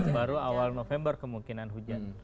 baru awal november kemungkinan hujan